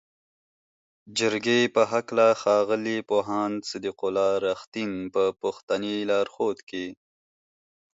جرګې په هکله ښاغلي پوهاند صدیق الله "رښتین" په پښتني لارښود کې